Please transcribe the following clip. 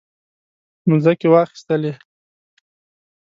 مځکې واخیستلې.